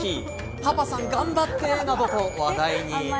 パパさん頑張って！などと話題に。